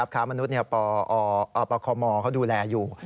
ค้ามนุษย์ปคมเขาดูแลอยู่